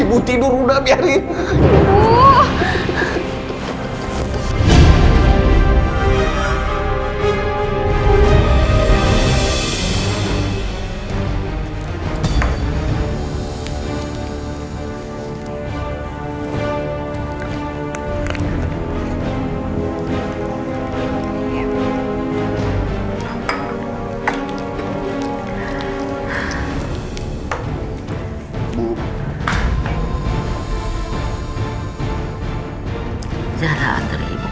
bener juga tuh cuk